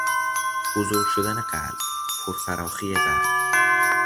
بزرگ شدن قلب، پرفراخی قلب